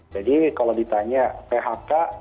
jadi kalau ditanya phk